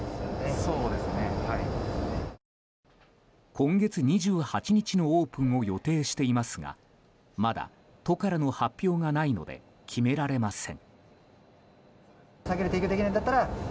今月２８日のオープンを予定していますがまだ、都からの発表がないので決められません。